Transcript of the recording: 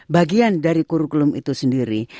bagian dari kurikulum itu sendiri